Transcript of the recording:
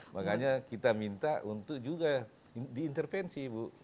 makanya kita minta untuk juga diintervensi ibu